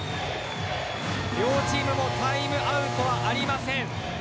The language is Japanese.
両チーム、もうタイムアウトはありません。